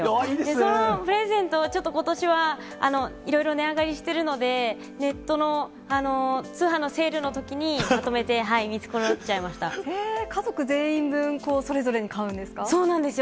そのプレゼントを、ちょっとことしはいろいろ値上がりしてるので、ネットの通販のセールのときに、家族全員分それぞれに買うんそうなんですよ。